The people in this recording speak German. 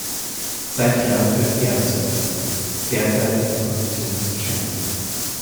Seither führt er das Unternehmen, derzeit in der Position des Chairman.